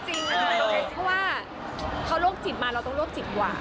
เพราะว่าเขาโรคจิตมาเราต้องโรคจิตกว่า